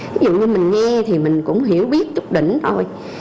ví dụ như mình nghe thì mình cũng hiểu biết trục đỉnh thôi